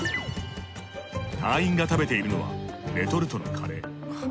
隊員が食べているのはレトルトのカレー。